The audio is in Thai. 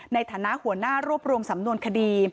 ในฐานะหัวหน้ารวบรวมสำนวนคดี